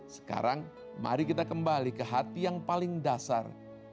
sekarang mari kita kembali ke hati yang paling dasar